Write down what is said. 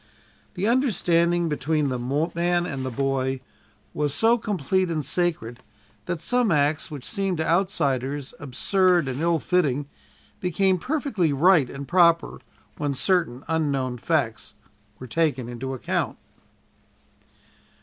The understanding between the man and the boy was so complete and sacred, that some acts which seemed to outsiders absurd and ill fitting, became perfectly right and proper when certain unknown facts were taken into account.